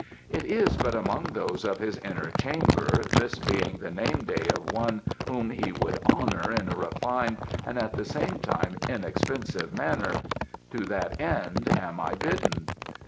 "It is but among those of his inner chamber, this being the name day of one whom he would honour in a refined and at the same time inexpensive manner. To that end am I bidden."